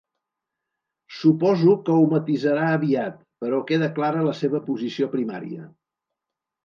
Suposo que ho matisarà aviat, però queda clara la seva posició primària.